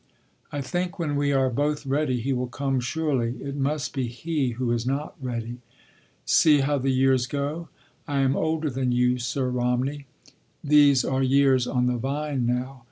I think when we are both ready he will come surely—it must be he who is not ready.... See how the years go. I am older than you, Sir Romney. These are years on the vine now.